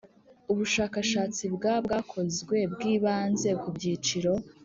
Ubushakashatsi bwa bwakozwe bwibanze ku byiciro